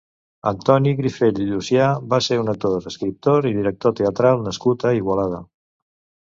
Antoni Grifell i Llucià va ser un actor, escriptor i director teatral nascut a Igualada.